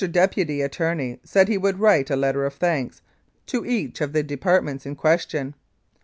Deputy Attorney said he would write a letter of thanks to each of the Departments in question.